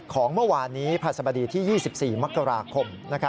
ของเมื่อวานนี้พระสบดีที่๒๔มกราคม